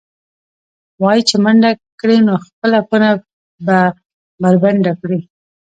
وایي چې منډه کړې، نو خپله کونه به بربنډه کړې.